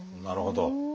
なるほど。